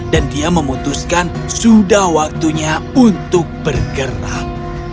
dan dia memutuskan sudah waktunya untuk bergerak